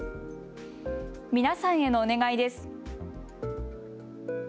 皆さんへのお願いです。